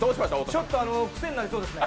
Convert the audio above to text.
ちょっと癖になりそうですね。